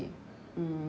うん。